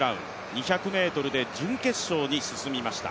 ２００ｍで準決勝に進みました。